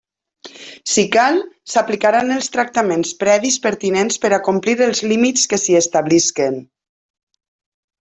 Si cal, s'aplicaran els tractaments previs pertinents per a complir els límits que s'hi establisquen.